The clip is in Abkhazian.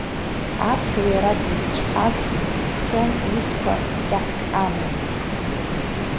Аԥсуа иара дызцәҳаз, дцон изқәа кьатк ама.